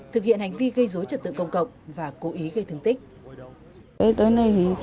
thực hiện hành vi gây dối trật tự công cộng và cố ý gây thương tích